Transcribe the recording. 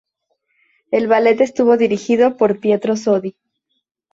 El ballet estuvo dirigido por Pietro Sodi.